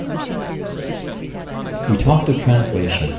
We talked of translation.